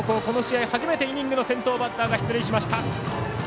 この試合、初めてイニングの先頭バッターが出塁しました。